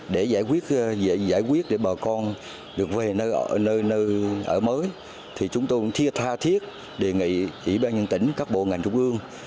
để giải quyết để bà con được về nơi ở mới chúng tôi thia tha thiết đề nghị ủy ban nhân tỉnh các bộ ngành trung ương